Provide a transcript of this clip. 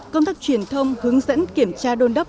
công tác truyền thông hướng dẫn kiểm tra đôn đốc